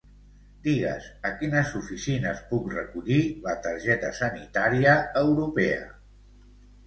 Digues a quines oficines puc recollir la targeta sanitària europea.